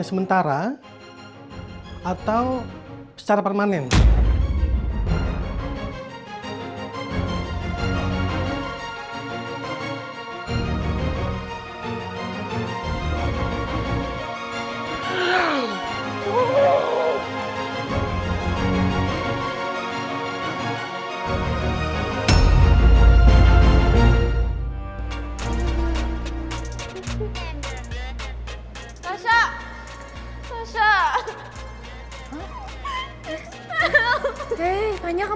jelek sebelas itx bukan untuk bahwa atas ini saya bayar penguasa